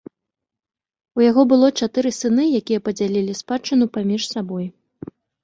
У яго было чатыры сыны, якія падзялілі спадчыну паміж сабой.